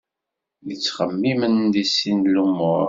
Yettxemmimen deg sin lumuṛ.